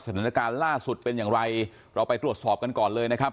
สถานการณ์ล่าสุดเป็นอย่างไรเราไปตรวจสอบกันก่อนเลยนะครับ